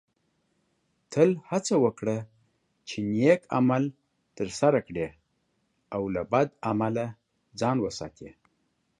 تل هڅه وکړه چې نیک عمل ترسره کړې او له بد عمله ځان وساتې